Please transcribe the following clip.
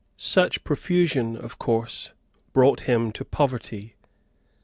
Such profusion, of course, brought him to poverty.